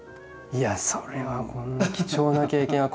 いやそれはこんな貴重な経験は。